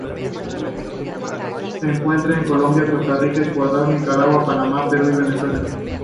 Se encuentra en Colombia, Costa Rica, Ecuador, Nicaragua, Panamá, Perú, y Venezuela.